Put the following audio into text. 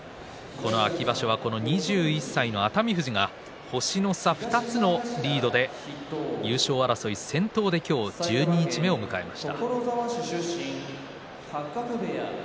秋場所はこの２１歳の熱海富士が星の差２つのリードで優勝争い先頭十二日目を迎えています。